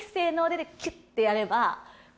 でキュってやれば。